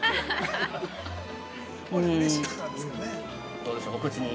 ◆どうでしょう、お口に。